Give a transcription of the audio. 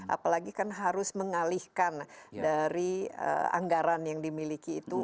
apalagi kan harus mengalihkan dari anggaran yang dimiliki itu